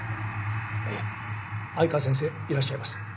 ええ相川先生いらっしゃいます。